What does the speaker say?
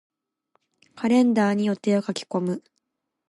カレンダーに予定を書き込む。